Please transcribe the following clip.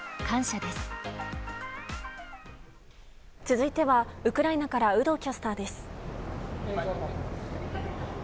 続いてはウクライナから有働キャスターです。